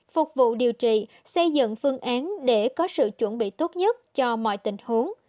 phục vụ điều trị xây dựng phương án để có sự chuẩn bị tốt nhất cho mọi tình huống